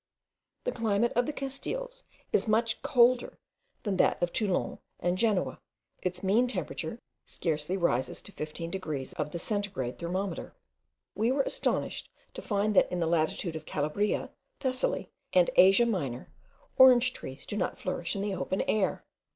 The climate of the Castiles is much colder than that of Toulon and Genoa; its mean temperature scarcely rises to 15 degrees of the centigrade thermometer. We are astonished to find that, in the latitude of Calabria, Thessaly, and Asia Minor, orange trees do not flourish in the open air.